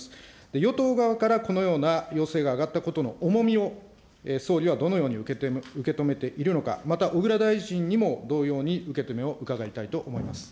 与党側からこのような要請があがったことの重みを、総理はどのように受け止めているのか、また、小倉大臣にも同様に受け止めを伺いたいと思います。